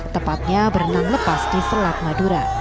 tepatnya berenang lepas di selat madura